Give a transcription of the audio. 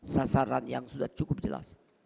sasaran yang sudah cukup jelas